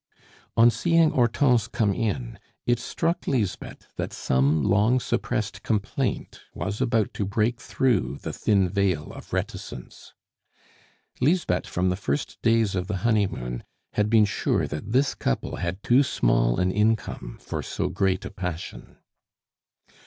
On seeing Hortense come in, it struck Lisbeth that some long suppressed complaint was about to break through the thin veil of reticence. Lisbeth, from the first days of the honeymoon, had been sure that this couple had too small an income for so great a passion.